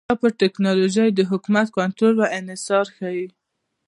دا پر ټکنالوژۍ د حکومت کنټرول او انحصار ښيي